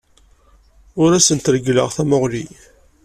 Ur asent-reggleɣ tamuɣli.